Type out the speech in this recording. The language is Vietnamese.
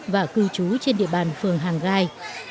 và cư trú trên địa bàn phường hàng gai